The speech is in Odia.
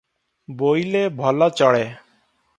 ବୋଇଲେ ଭଲ ଚଳେ ।